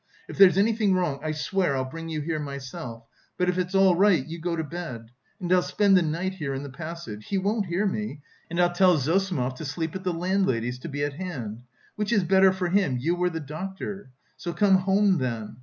If there's anything wrong, I swear I'll bring you here myself, but, if it's all right, you go to bed. And I'll spend the night here, in the passage, he won't hear me, and I'll tell Zossimov to sleep at the landlady's, to be at hand. Which is better for him: you or the doctor? So come home then!